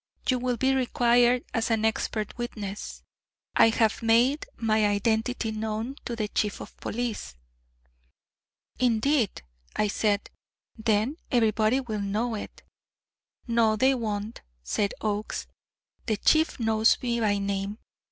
You will be required as an expert witness. I have made my identity known to the Chief of Police." "Indeed," I said; "then everybody will know it." "No, they won't," said Oakes. "The Chief knows me by name.